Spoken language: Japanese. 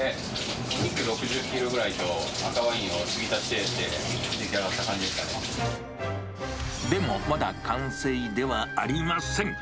お肉６０キロぐらいと赤ワインを継ぎ足していって出来上がった感でもまだ完成ではありません。